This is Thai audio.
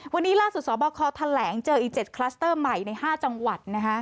วันนี้ล่าสุดสบคแถลงเจออีก๗คลัสเตอร์ใหม่ใน๕จังหวัด